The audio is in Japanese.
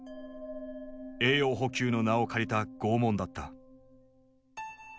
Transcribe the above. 栄養補給の名を借りた拷問だった。